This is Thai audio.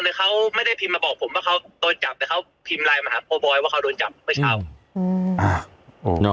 เขาไม่ได้พิมพ์มาบอกผมว่าเขาโดนจับแต่เขาพิมพ์ไลน์มาหาพ่อบอยว่าเขาโดนจับเมื่อเช้า